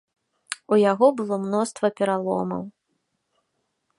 У яго было мноства пераломаў.